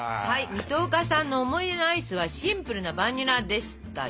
水戸岡さんの思い出のアイスはシンプルなバニラでしたよ。